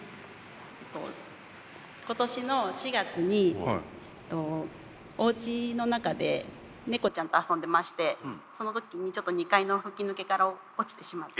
今年の４月におうちの中で猫ちゃんと遊んでましてその時にちょっと２階の吹き抜けから落ちてしまって。